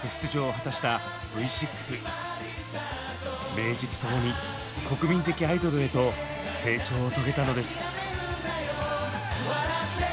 名実ともに国民的アイドルへと成長を遂げたのです。